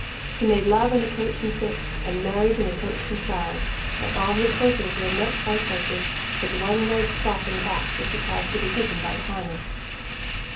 He made love in a coach and six, and married in a coach and twelve, and all his horses were milk white horses with one red spot on the back which he caused to be hidden by the harness.